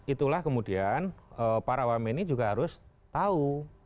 itulah kemudian para wamen ini juga harus tahu